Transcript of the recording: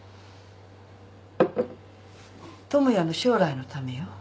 智也の将来のためよ。